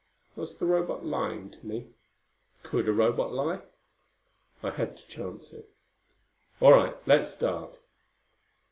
Was the Robot lying to me? Could a Robot lie? I had to chance it. "All right, let's start.